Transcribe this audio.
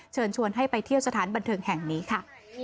เชิญชวนให้ไปเที่ยวสถานบันเทิงแห่งนี้ค่ะ